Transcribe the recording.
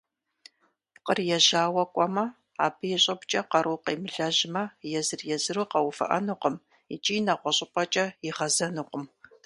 Пкъыр ежьауэ кӏуэмэ, абы и щӏыбкӏэ къару къемылэжьмэ, езыр-езыру къэувыӏэнукъым икӏи нэгъуэщӏыпӏэкӏэ игъэзэнукъым.